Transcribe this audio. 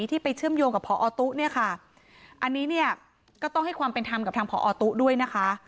ที่ไปเชื่อมโยงกับนี่ค่ะอันนี้เนี่ยก็ต้องให้ความเป็นทำกับทางด้วยนะคะ